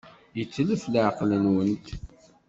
Yetlef leɛqel-nwent.